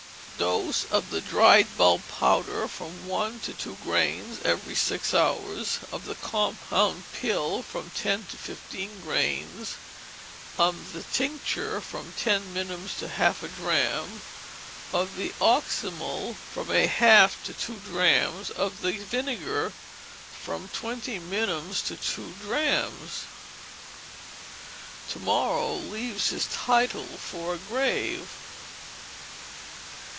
Dose, of the dried bulb powdered, from one to two grains every six hours; of the compound pill, from ten to fifteen grains; of the tincture, from ten minims to half a drachm; of the oxymel, from a half to two drachms; of the vinegar, from twenty minims to two drachms. [TO MORROW, LEAVES HIS TITLE FOR A GRAVE.